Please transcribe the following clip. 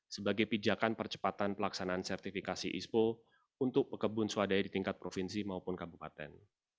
sebagai pijakan percepatan pelaksanaan sertifikasi ispo untuk pekebun swadaya di tingkat provinsi maupun kabupaten